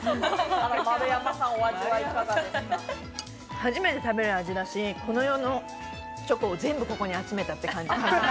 初めて食べる味だし、この世のチョコを全部ここに集めたって感じ。